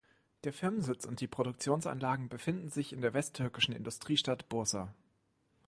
Der Firmensitz und die Produktionsanlagen befinden sich in der westtürkischen Industriestadt Bursa.